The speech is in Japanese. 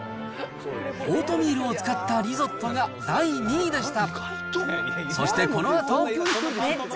オートミールを使ったリゾットが第２位でした。